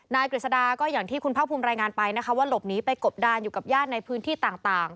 กฤษฎาก็อย่างที่คุณภาคภูมิรายงานไปนะคะว่าหลบหนีไปกบดานอยู่กับญาติในพื้นที่ต่าง